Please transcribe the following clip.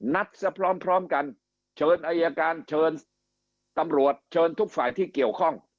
ซะพร้อมพร้อมกันเชิญอายการเชิญตำรวจเชิญทุกฝ่ายที่เกี่ยวข้อง